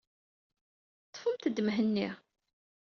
Ḍḍfemt-d Mhenni.